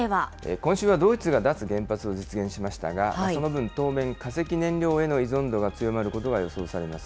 今週はドイツが脱原発を実現しましたが、その分、当面化石燃料への依存度が強まることが予想されます。